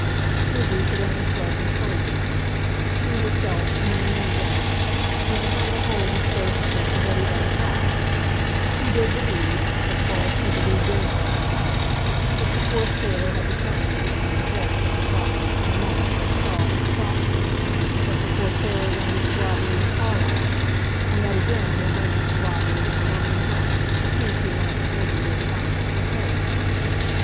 Lizzie could only shrug her shoulders. She herself, among many doubts, was upon the whole disposed to think as everybody thought. She did believe, as far as she believed anything in the matter, that the Corsair had determined to become possessed of the prize from the moment that he saw it in Scotland, that the Corsair arranged the robbery in Carlisle, and that again he arranged the robbery in the London house as soon as he learned from Lizzie where the diamonds were placed.